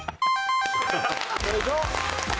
よいしょ！